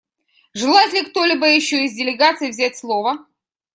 Желает ли кто-либо еще из делегаций взять слово?